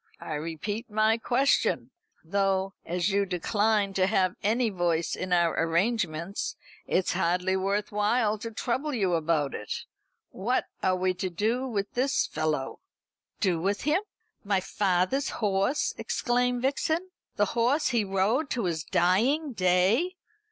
I repeat my question though, as you decline to have any voice in our arrangements, it's hardly worth while to trouble you about it what are we to do with this fellow?" "Do with him? My father's horse!" exclaimed Vixen; "the horse he rode to his dying day!